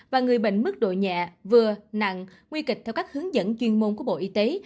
và người bệnh mức độ nhẹ vừa nặng nguy kịch theo các hướng dẫn chuyên môn của bộ y tế